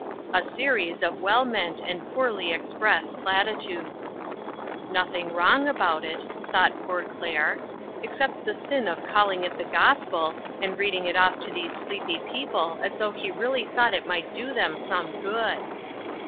A series of well meant and poorly expressed platitudes. "Nothing wrong about it," thought poor Claire, "except the sin of calling it the gospel, and reading it off to these sleepy people as though he really thought it might do them some good!"